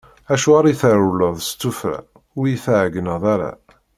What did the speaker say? Acuɣer i trewleḍ s tuffra, ur yi-d-tɛeggneḍ ara?